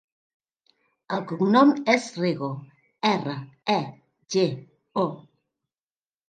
El cognom és Rego: erra, e, ge, o.